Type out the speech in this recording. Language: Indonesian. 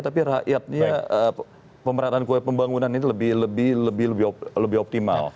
tapi rakyatnya pemerataan pembangunan ini lebih optimal